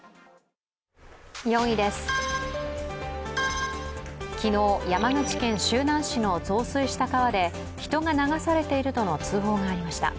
４位です、昨日、山口県周南市の増水した川で、人が流されているとの通報がありました。